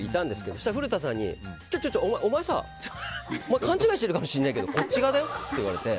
そしたら古田さんにちょっと、お前勘違いしてるかもしれないけどこっち側だよって言われて。